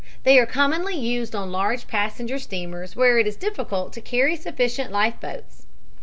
They are commonly used on large passenger steamers where it is difficult to carry sufficient life boats.